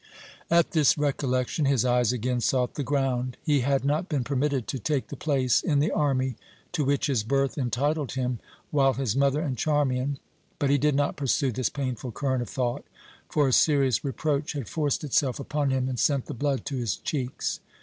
At this recollection his eyes again sought the ground he had not been permitted to take the place in the army to which his birth entitled him, while his mother and Charmian But he did not pursue this painful current of thought; for a serious reproach had forced itself upon him and sent the blood to his cheeks.